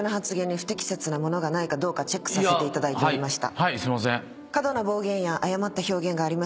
はいすいません。